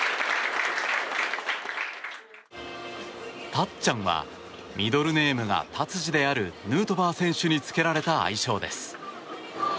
たっちゃんはミドルネームが達治であるヌートバー選手につけられた愛称です。